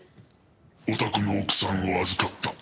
「お宅の奥さんを預かった」